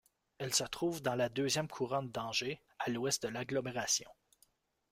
Elle se trouve dans la deuxième couronne d'Angers, à l'ouest de l'agglomération.